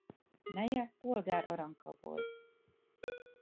Neje Polgár Aranka volt.